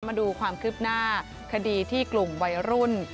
มาดูความคืบหน้าคดีที่กลุ่มวัยรุ่น